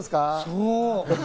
そう。